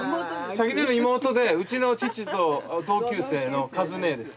サキ姉の妹でうちの父と同級生のカズ姉です。